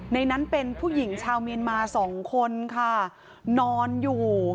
ในนั้นเป็นผู้หญิงชาวเมียนมาสองคนค่ะนอนอยู่